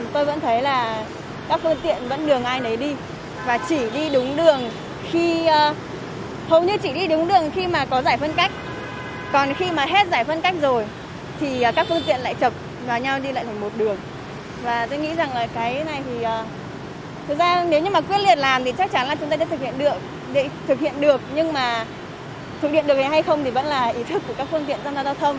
thực ra nếu như quyết liệt làm thì chắc chắn là chúng ta đã thực hiện được nhưng mà thực hiện được hay không thì vẫn là ý thức của các phương tiện giao thông